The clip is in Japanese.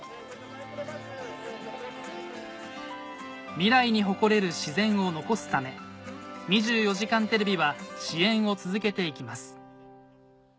未来に誇れる自然を残すため『２４時間テレビ』は支援を続けていきます